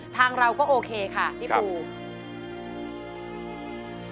ทางเราก็โอเคค่ะพี่ปู